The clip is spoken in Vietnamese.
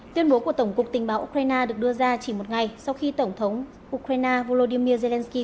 tuyên bố của tổng cục tình báo ukraine được đưa ra chỉ một ngày sau khi tổng thống ukraine volodymyr zelenskyy